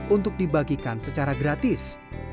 untuk dibagikan secara gratis